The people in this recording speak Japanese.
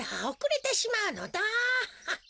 おくれてしまうのだ。